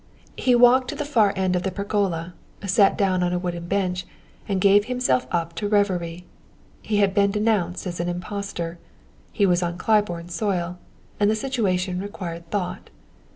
He walked to the far end of the pergola, sat down on a wooden bench, and gave himself up to reverie. He had been denounced as an impostor; he was on Claiborne soil; and the situation required thought.